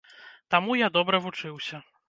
Таму я добра вучыўся.